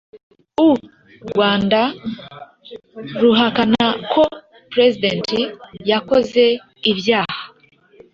U Rwanda ruhakana ko president yakoze ibyaha